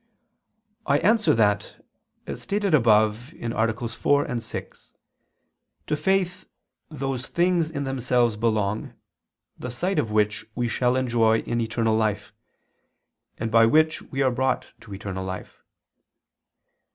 I answer that, As stated above (AA. 4, 6), to faith those things in themselves belong, the sight of which we shall enjoy in eternal life, and by which we are brought to eternal life.